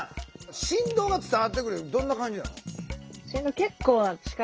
振動が伝わってくるってどんな感じなの？